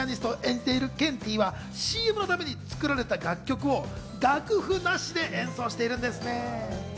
今回のＣＭでピアニストを演じてるケンティーはＣＭのために作られた楽曲は楽譜なしで演奏しているんですね。